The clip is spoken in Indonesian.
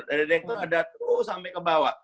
dari direktur ada tuh sampai ke bawah